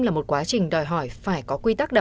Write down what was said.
là một quá trình đòi hỏi phải có